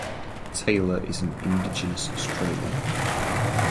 Taylor is an Indigenous Australian.